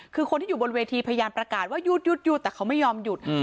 คือคนที่อยู่บนเวทีพยานประกาศว่าหยุดหยุดหยุดแต่เขาไม่ยอมหยุดอืม